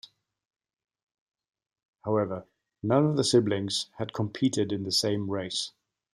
However, none of the siblings had competed in the same race.